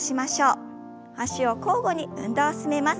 脚を交互に運動を進めます。